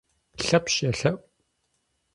Лъэпщ елъэӀу.